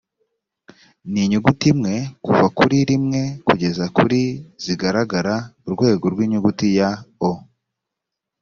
n inyuguti imwe kuva kuri rimwe kugeza kuri z igaragaza urwego inyuguti ya o